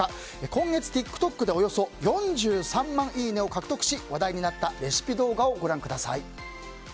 今月ＴｉｋＴｏｋでおよそ４３万いいねを獲得し話題になったレシピ動画をご覧ください。